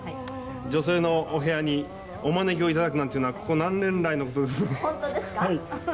女性のお部屋にお招きいただくのはここ何年来のことです。